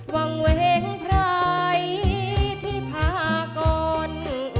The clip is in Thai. วังเว้งไพรที่พากร